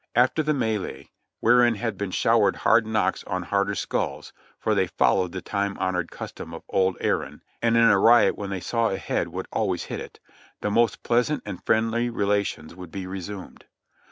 After the melee, wherein had been showered hard knocks on harder skulls, — for they followed the time honored custom of Old Erin, and in a riot when they saw a head would always hit it, — the most pleasant and friendly relations would be resumed.